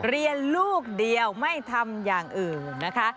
เรียนลูกเดียวไม่ทำอย่างอื่นนะคะ